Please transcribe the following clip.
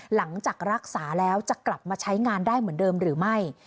หลังจากรักษาแล้วจะกลับมาใช้งานได้เหมือนเดิมหรือไม่